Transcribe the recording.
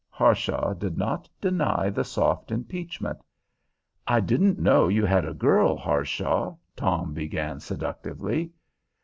Harshaw did not deny the soft impeachment. "I didn't know you had a girl, Harshaw," Tom began seductively.